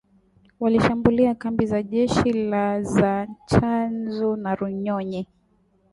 walishambulia kambi za jeshi la za Tchanzu na Runyonyi